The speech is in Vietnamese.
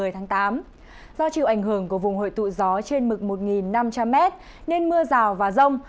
một mươi tháng tám do chiều ảnh hưởng của vùng hội tụ gió trên mực một năm trăm linh m nên mưa rào và rông